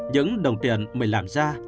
những đồng tiền mình làm ra